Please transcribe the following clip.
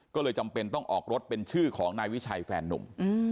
ก็เลยจำเป็นต้องออกรถเป็นชื่อของนายวิชัยแฟนนุ่ม